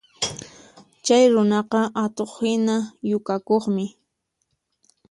Chay runaqa atuqhina yukakuqmi